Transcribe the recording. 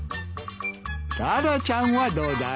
タラちゃんはどうだい？